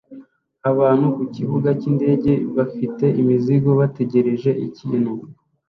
Abantu ku kibuga cyindege bafite imizigo bategereje ikintu